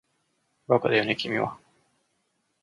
バカだよね君は